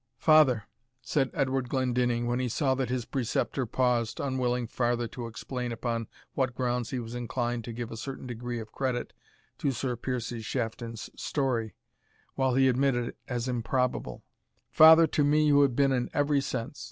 "Father," said Edward Glendinning, when he saw that his preceptor paused, unwilling farther to explain upon what grounds he was inclined to give a certain degree of credit to Sir Piercie Shafton's story, while he admitted it as improbable "Father to me you have been in every sense.